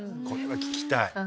これは聞きたい。